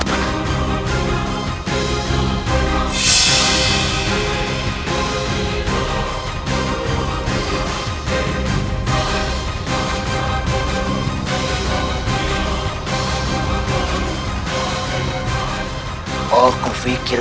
baiklah kita lagi menjadi k like